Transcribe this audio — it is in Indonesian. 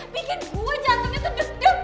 bikin gue jantungnya tuh deg degan